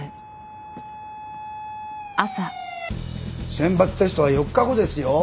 選抜テストは４日後ですよ。